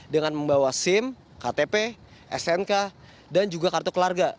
dengan membawa sim ktp snk dan juga kartu keluarga